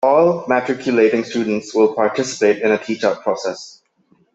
All matriculating students will participate in a teach-out process.